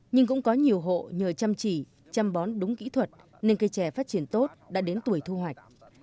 nhưng cũng có nhiều hộ nhờ chăm chỉ chăm bón đúng kỹ thuật nên cây chè phát triển tốt đã đến tuổi thu hoạch